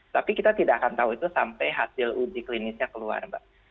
tapi kita tidak akan tahu itu sampai hasil uji klinisnya keluar mbak